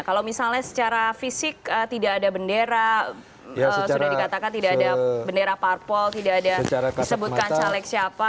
kalau misalnya secara fisik tidak ada bendera sudah dikatakan tidak ada bendera parpol tidak ada disebutkan caleg siapa